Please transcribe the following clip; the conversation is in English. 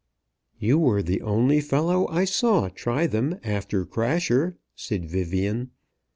"You were the only fellow I saw try them after Crasher," said Vivian.